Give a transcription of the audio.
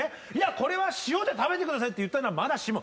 「これは塩で食べてください！」って言ったならまだしも。